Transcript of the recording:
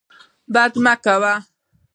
بد مه کوه.